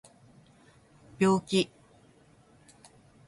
病気